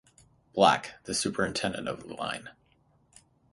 Black, the superintendent of the line.